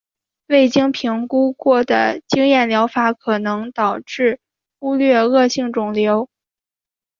未经评估过的经验疗法可能导致忽略恶性肿瘤。